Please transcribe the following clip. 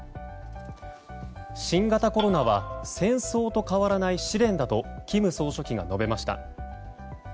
新型コロナは戦争と変わらない試練だと金総書記が述べました。